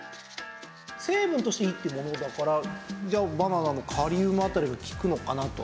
成分としていいってものだからじゃあバナナのカリウムあたりが効くのかなと。